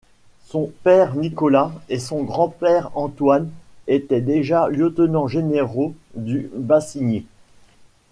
Son père Nicolas et son grand-père Antoine étaient déjà lieutenants-généraux du Bassigny.